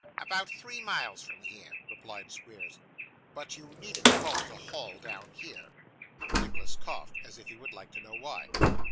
'About three mile from here,' replied Squeers. 'But you needn't call it a Hall down here.' Nicholas coughed, as if he would like to know why.